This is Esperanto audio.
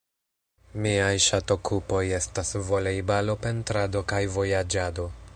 Miaj ŝatokupoj estas volejbalo, pentrado kaj vojaĝado.